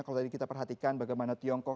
kalau tadi kita perhatikan bagaimana tiongkok